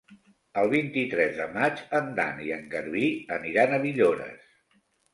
El vint-i-tres de maig en Dan i en Garbí aniran a Villores.